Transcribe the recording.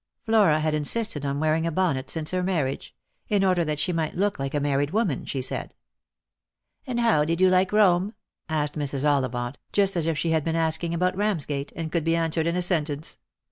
Flora had insisted on wearing a bonnet since her marriage ; in. order that she might look like a married woman, she said, v" And how did you like Borne ?" asked Mrs. Ollivant, just as if she had been asking about Eamsgate, and could be answered in a sentence.